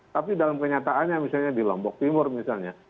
tapi dalam kenyataannya misalnya di lombok timur misalnya